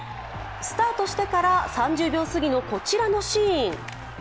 スタートしてから３０秒すぎのこちらのシーン。